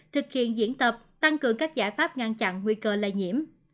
thực hiện diễn tập tăng cường các giải pháp ngăn chặn nguy cơ lây nhiễm